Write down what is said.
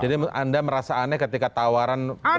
jadi anda merasa aneh ketika tawaran bersama pak jokowi